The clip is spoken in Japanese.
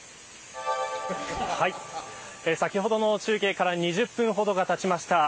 先ほどの中継から２０分ほどがたちました。